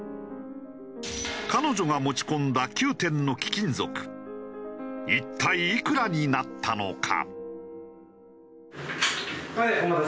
彼女が持ち込んだ９点の貴金属一体いくらになったのか？